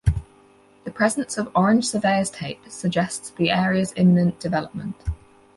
The presence of orange surveyor's tape suggests the area's imminent development.